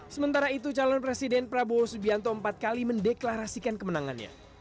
sementara itu calon presiden prabowo subianto empat kali mendeklarasikan kemenangannya